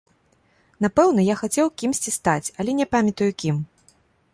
Напэўна, я хацеў кімсьці стаць, але не памятаю кім.